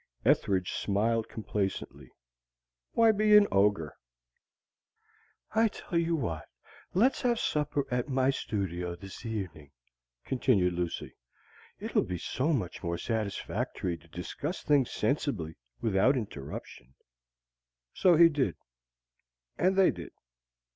Ethridge smiled complacently. Why be an ogre? "I tell you what. Let's have supper at my studio this evening," continued Lucy. "It'll be so much more satisfactory to discuss things sensibly, without interruption." So he did, and they did.